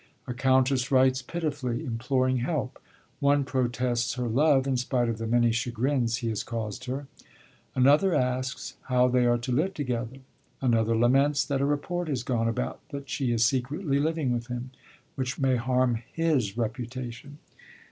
A Countess writes pitifully, imploring help; one protests her love, in spite of the 'many chagrins' he has caused her; another asks 'how they are to live together'; another laments that a report has gone about that she is secretly living with him, which may harm his reputation.